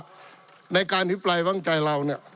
ในอย่างการทฤปรายวางใจเรา